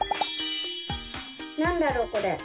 なんだろうこれ？